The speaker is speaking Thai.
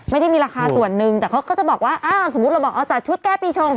ไม่ได้มีราคาส่วนหนึ่งแต่เขาก็จะบอกว่าอ้าวสมมุติเราบอกเอาจัดชุดแก้ปีชง